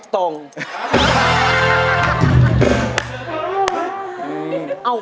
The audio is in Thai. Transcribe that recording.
หนุ่ม